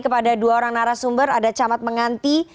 kepada dua orang narasumber ada camat menganti